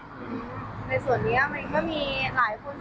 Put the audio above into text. ในส่วนนี้มันก็มีหลายคนสงสัยนะคะ